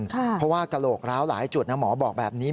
เพราะว่ากระโหลกร้าวหลายจุดนะหมอบอกแบบนี้